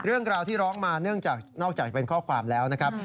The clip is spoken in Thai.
เรื่องราวที่ร้องมาเนื่องจากนอกจากจะเป็นข้อความแล้วนะครับ